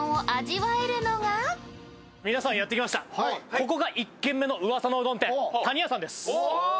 ここが１軒目のうわさのうどん店、谷やさんです。